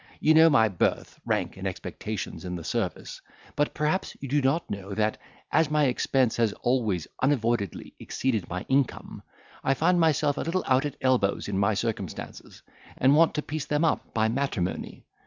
You know my birth, rank, and expectations in the service; but perhaps you do not know, that, as my expense has always unavoidably exceeded my income, I find myself a little out at elbows in my circumstances, and want to piece them up by matrimony.